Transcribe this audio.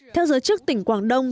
theo giới chức tỉnh quảng đông